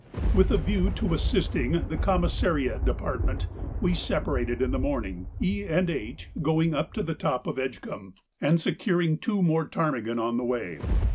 With a view to assisting the commissariat department, we separated in the morning, E. and H. going up to the top of Edgcumbe, and securing two more ptarmigan on the way.